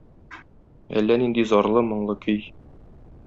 Әллә нинди зарлы, моңлы көй.